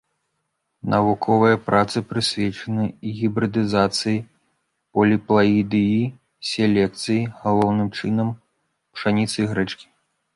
Навуковыя працы прысвечаны гібрыдызацыі, поліплаідыі і селекцыі, галоўным чынам, пшаніцы і грэчкі.